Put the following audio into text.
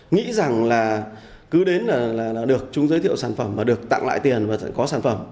nghĩ rằng là cứ đến là được chung giới thiệu sản phẩm mà được tặng lại tiền và có sản phẩm